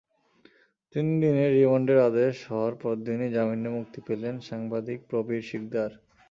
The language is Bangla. তিন দিনের রিমান্ডের আদেশ হওয়ার পরদিনই জামিনে মুক্তি পেলেন সাংবাদিক প্রবীর সিকদার।